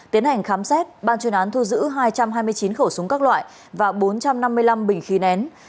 tiến hành khám xét ban chuyên án thu giữ hai trăm hai mươi chín khẩu súng các loại và bốn trăm năm mươi năm bình khí nén